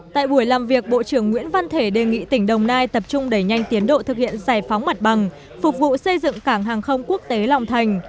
tại buổi làm việc bộ trưởng nguyễn văn thể đề nghị tỉnh đồng nai tập trung đẩy nhanh tiến độ thực hiện giải phóng mặt bằng phục vụ xây dựng cảng hàng không quốc tế long thành